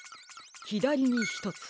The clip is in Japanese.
ひだりにひとつ。